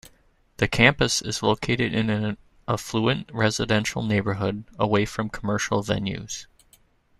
The campus is located in an affluent residential neighborhood away from commercial venues.